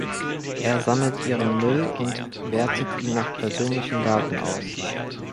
Er sammelt ihren Müll und wertet ihn nach persönlichen Daten aus.